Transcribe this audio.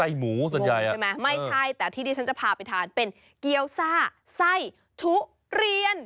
หมูส่วนใหญ่ใช่ไหมไม่ใช่แต่ที่ที่ฉันจะพาไปทานเป็นเกี้ยวซ่าไส้ทุเรียน